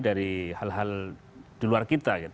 dari hal hal di luar kita